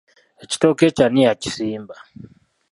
Ekitooke ekyo ani yakisimba?